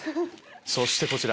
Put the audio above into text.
そしてこちら。